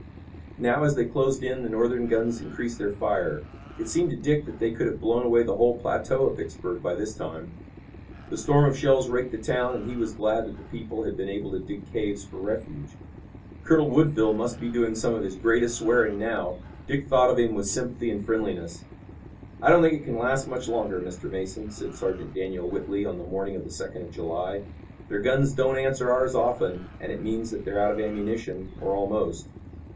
Now, as they closed in the Northern guns increased their fire. It seemed to Dick that they could have blown away the whole plateau of Vicksburg by this time. The storm of shells raked the town, and he was glad that the people had been able to dig caves for refuge. Colonel Woodville must be doing some of his greatest swearing now. Dick thought of him with sympathy and friendliness. "I don't think it can last much longer, Mr. Mason," said Sergeant Daniel Whitley on the morning of the second of July. "Their guns don't answer ours often and it means that they're out of ammunition, or almost.